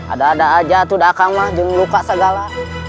ada ada saja itu sudah kakak jangan luka segala